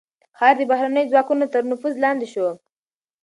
ښار د بهرنيو ځواکونو تر نفوذ لاندې شو.